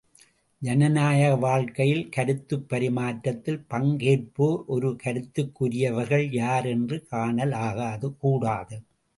ஜனநாயக வாழ்க்கையில் கருத்துப் பரிமாற்றத்தில் பங்கேற்போர் ஒரு கருத்துக்குரியவர்கள் யார் என்று காணல் ஆகாது, கூடாது.